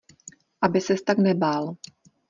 Aby ses tak nebál.